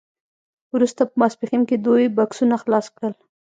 وروسته په ماسپښین کې دوی بکسونه خلاص کړل